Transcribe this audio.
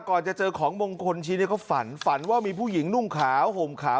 ก่อนจะเจอของมงคลชิ้นนี้เขาฝันฝันว่ามีผู้หญิงนุ่งขาวห่มขาว